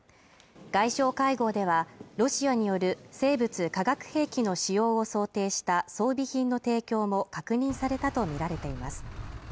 外相会合ではロシアによる生物化学兵器の使用を想定した装備品の提供も確認されたと見られています